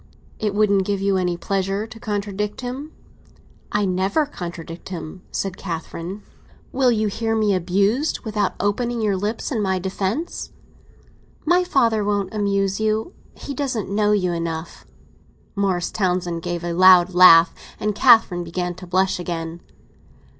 "It wouldn't give you any pleasure to contradict him?" "I never contradict him," said Catherine. "Will you hear me abused without opening your lips in my defence?" "My father won't abuse you. He doesn't know you enough." Morris Townsend gave a loud laugh, and Catherine began to blush again.